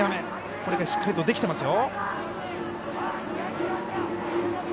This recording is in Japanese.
これがしっかりできていますよ。